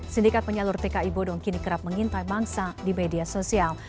sindikat penyalur tki bodong kini kerap mengintai mangsa di media sosial